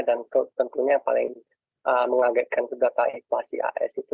dan tentunya paling mengagetkan data eklasi as itu